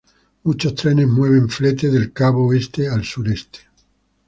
Muchos trenes mueven flete del cabo oeste al sureste.